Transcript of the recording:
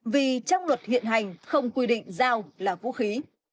vì trong luật hiện hành không quy định dao là vũ khí